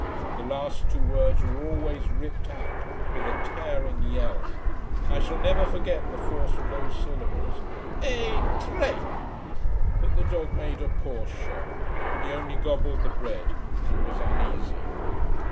The last two words were always ripped out with a tearing yell. I shall never forget the force of those syllables E TRE! But the dog made a poor show He only gobbled the bread and was uneasy.